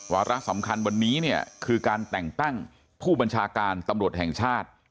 วาระสำคัญวันนี้เนี่ยคือการแต่งตั้งผู้บัญชาการตำรวจแห่งชาติ